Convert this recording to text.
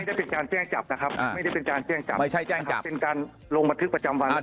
ได้เป็นการแจ้งจับนะครับไม่ได้เป็นการแจ้งจับไม่ใช่แจ้งจับเป็นการลงบันทึกประจำวัน